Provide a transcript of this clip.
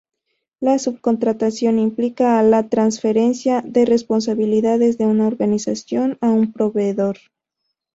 La subcontratación implica a la trasferencia de responsabilidades de una organización a un proveedor.